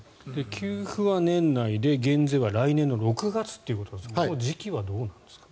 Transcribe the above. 給付は年内で、減税は来年の６月ということですがこれ、時期はどうなんですか。